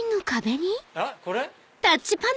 これ？